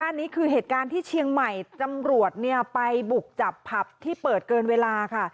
อันนี้คือเหตุการณ์ที่เชียงใหม่ตำรวจเนี่ยไปบุกจับผับที่เปิดเกินเวลาค่ะ